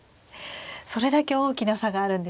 それだけ大きな差があるんですね。